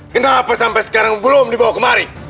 kenapa sampai sekarang belum dibawa kemari